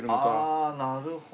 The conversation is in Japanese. あなるほど。